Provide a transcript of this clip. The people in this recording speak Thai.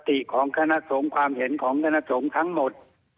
ติของคณะสงฆ์ความเห็นของคณะสงฆ์ทั้งหมด